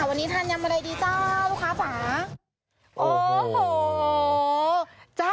วันนี้ทานยำอะไรดีจ้าลูกค้าจ๋าโอ้โห